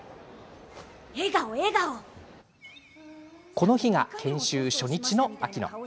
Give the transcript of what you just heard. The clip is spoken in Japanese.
この日が研修初日の秋乃。